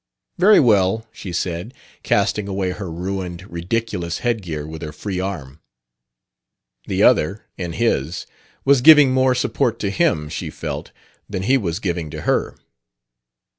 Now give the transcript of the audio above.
"Very well," she said, casting away her ruined, ridiculous headgear with her free arm. The other, in his, was giving more support to him, she felt, than he was giving to her.